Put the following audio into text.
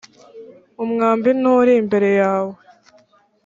umwambi nturi imbere yawe ‽